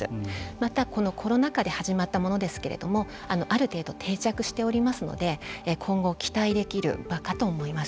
またコロナ禍で始まったものですけれどもある程度、定着しておりますので今後期待できる場かと思います。